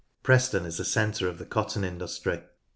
Preston is a centre of the cotton industry.